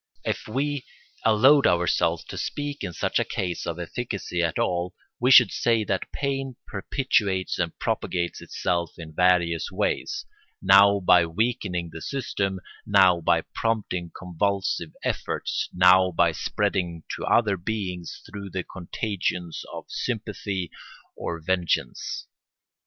If we allowed ourselves to speak in such a case of efficacy at all, we should say that pain perpetuates and propagates itself in various ways, now by weakening the system, now by prompting convulsive efforts, now by spreading to other beings through the contagion of sympathy or vengeance.